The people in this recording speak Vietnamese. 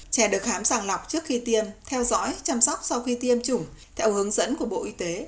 trẻ được khám sàng lọc trước khi tiêm theo dõi chăm sóc sau khi tiêm chủng theo hướng dẫn của bộ y tế